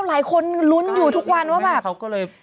หลายคนลุ้นอยู่ทุกวันว่าแบบ